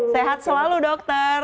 sehat selalu dokter